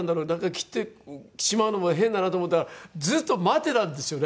切ってしまうのも変だなと思ったからずっと待ってたんですよね。